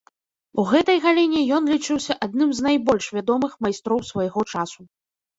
У гэтай галіне ён лічыўся адным з найбольш вядомых майстроў свайго часу.